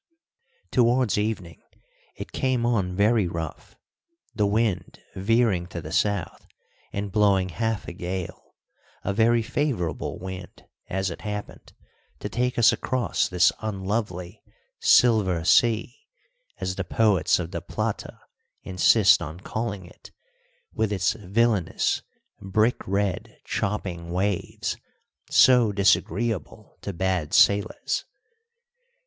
Towards evening it came on very rough, the wind veering to the south and blowing half a gale, a very favourable wind, as it happened, to take us across this unlovely "Silver Sea," as the poets of the Plata insist on calling it, with its villainous, brick red, chopping waves, so disagreeable to bad sailors.